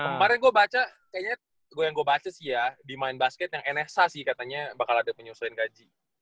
kemarin gue baca kayaknya gue yang gue baca sih ya di main basket yang nsa sih katanya bakal ada penyusuin gaji